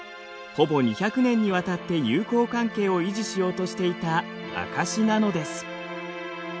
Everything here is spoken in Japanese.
ほぼ２００年にわたって友好関係を維持しようとしていた証しなのです。